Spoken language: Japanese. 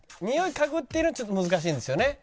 におい嗅ぐっていうのはちょっと難しいんですよね？